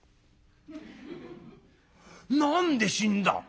「何で死んだ？